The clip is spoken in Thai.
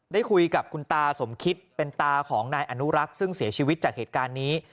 ได้คุยกับคุณตาสมคิตเป็นตาของนายอนุรักษ์ซึ่งเสียชีวิตจากเหตุการณ์นี้